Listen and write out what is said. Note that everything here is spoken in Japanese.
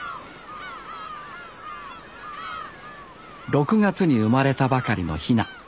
６月に生まれたばかりのヒナ。